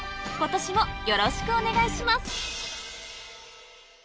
今年もよろしくお願いします